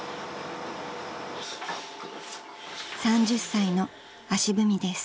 ［３０歳の足踏みです］